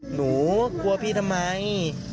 หนูกลัวพี่ทำไม